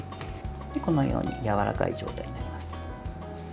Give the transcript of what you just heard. このようにやわらかい状態になります。